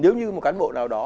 nếu như một cán bộ nào đó